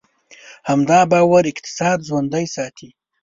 همدا باور اقتصاد ژوندی ساتي.